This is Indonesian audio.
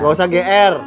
ga usah gr